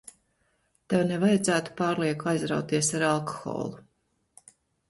Tev nevajadzētu pārlieku aizrauties ar alkoholu.